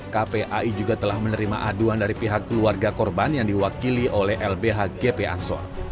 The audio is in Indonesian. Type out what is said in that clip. di pihak ag kpai juga telah menerima aduan dari pihak keluarga korban yang diwakili oleh lbhgp ansor